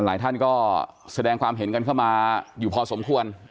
หลายท่านก็แสดงความเห็นกันเข้ามาอยู่พอสมควร